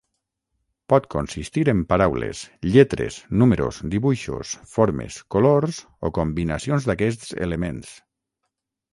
Pot consistir en paraules, lletres, números, dibuixos, formes, colors o combinacions d'aquests elements.